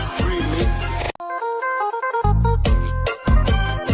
ฝีมือสุดท้าย